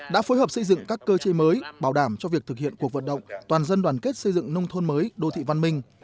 đã phối hợp xây dựng các cơ chế mới bảo đảm cho việc thực hiện cuộc vận động toàn dân đoàn kết xây dựng nông thôn mới đô thị văn minh